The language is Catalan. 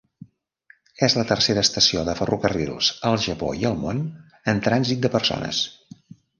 És la tercera estació de ferrocarrils al Japó i al món en trànsit de persones.